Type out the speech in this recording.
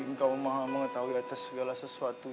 engkau mengetahui atas segala sesuatu